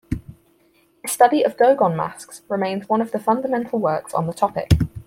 His study of Dogon masks remains one of the fundamental works on the topic.